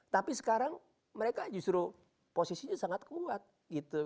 tapi sekarang mereka justru posisinya sangat kuat gitu